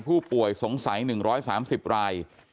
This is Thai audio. ผู้ป่วยสงสัย๑๓๐ราย